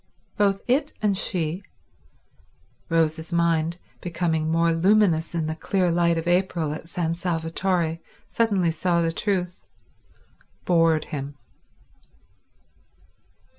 Both it and she—Rose's mind, becoming more luminous in the clear light of April at San Salvatore, suddenly saw the truth—bored him.